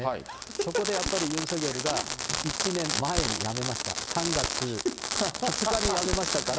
そこでやっぱりユン・ソギョルが１年前に辞めました、３月２日に辞めましたから。